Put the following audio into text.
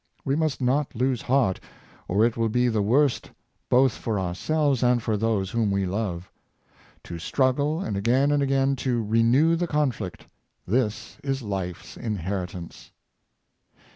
We must not lose heart, or it will be the worse both for ourselves and for those whom we love. To struggle, and again and again to renew the conflict — this is life's inheritance."